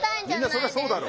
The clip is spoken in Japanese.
みんなそりゃそうだろ。